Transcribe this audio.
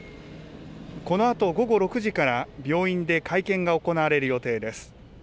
このあと午後６時から、病院で会見が行われる予定です。